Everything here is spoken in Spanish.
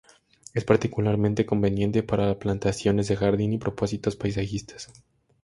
Es particularmente conveniente para plantaciones de jardín y propósitos paisajistas.